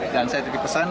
dan saya tetap dipesan